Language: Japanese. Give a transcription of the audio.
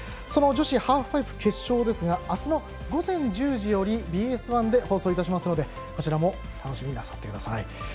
その女子ハーフパイプ決勝ですがあすの午前１０時よりＢＳ１で放送いたしますのでこちらも楽しみになさってください。